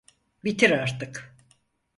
Bitir artık.